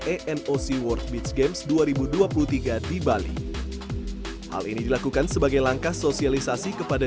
enoc world beach games dua ribu dua puluh tiga di bali hal ini dilakukan sebagai langkah sosialisasi kepada